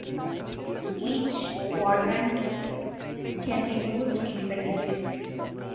Each quadrant can be used independently.